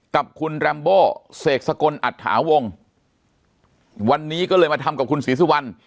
กับคุณแรมโบเสกสกลอัตถาวงวันนี้ก็เลยมาทำกับคุณศรีสุวรรณ